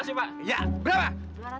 dua ratus pak